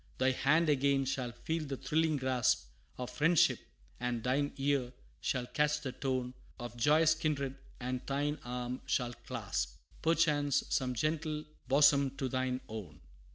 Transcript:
Thy hand again shall feel the thrilling grasp Of friendship and thine ear shall catch the tone Of joyous kindred; and thine arm shall clasp, Perchance, some gentle bosom to thine own.